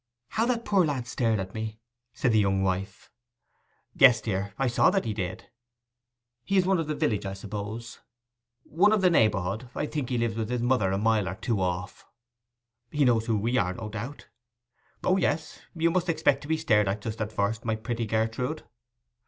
'How that poor lad stared at me!' said the young wife. 'Yes, dear; I saw that he did.' 'He is one of the village, I suppose?' 'One of the neighbourhood. I think he lives with his mother a mile or two off.' 'He knows who we are, no doubt?' 'O yes. You must expect to be stared at just at first, my pretty Gertrude.